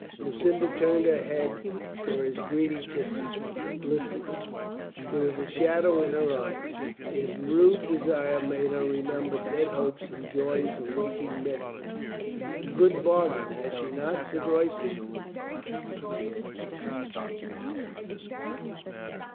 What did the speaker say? Lucinda turned her head for his greedy kisses, listless. There was a shadow in her eyes. His rude desire made her remember dead hopes and joys of waking maidenhood. "A good bargain, has she not?" said Royston.